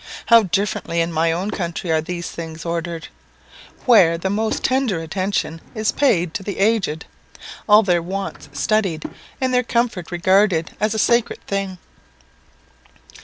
How differently in my own country are these things ordered! where the most tender attention is paid to the aged, all their wants studied, and their comfort regarded as a sacred thing.